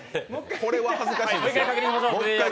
これは恥ずかしいですよ。